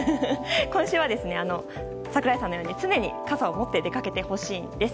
今週は櫻井さんのように常に傘を持って出かけてほしいです。